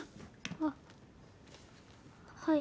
あっはい。